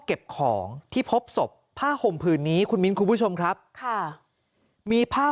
เก็บของที่พบศพผ้าห่มผืนนี้คุณมิ้นคุณผู้ชมครับค่ะมีผ้า